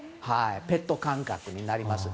ペット感覚になります。